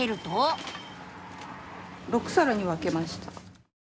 ・６さらに分けました。